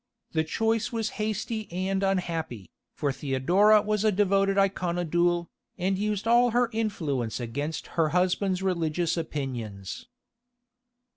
The choice was hasty and unhappy, for Theodora was a devoted Iconodule, and used all her influence against her husband's religious opinions.